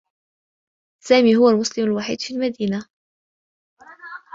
سامي هو المسلم الوحيد في المدينة.